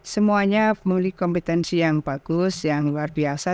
semuanya memiliki kompetensi yang bagus yang luar biasa